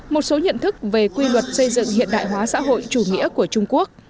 một số nhận thức về quy luật xây dựng hiện đại hóa xã hội chủ nghĩa của trung quốc